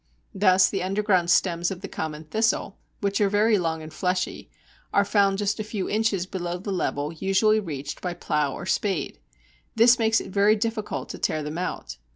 Thus the underground stems of the common Thistle, which are very long and fleshy, are found just a few inches below the level usually reached by plough or spade. This makes it very difficult to tear them out.